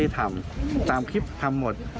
ทำตามคลิปทำหมด